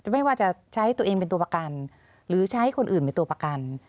ไม่ว่าจะใช้ตัวเองเป็นตัวประกันหรือใช้คนอื่นเป็นตัวประกัน